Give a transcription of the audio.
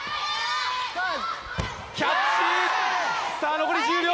さあ残り１０秒！